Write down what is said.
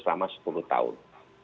selama sepuluh tahun